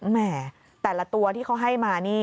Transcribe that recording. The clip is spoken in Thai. แหมแต่ละตัวที่เขาให้มานี่